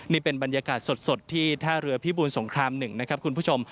นี่เป็นบรรยากาศสดที่ท่าเรือพิบูรสงคราม๑นะครับคุณผู้ชม